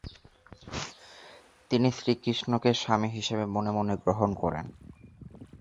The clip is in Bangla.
তিনি শ্রী কৃষ্ণকে স্বামী হিসেবে মনে মনে গ্রহণ করেন।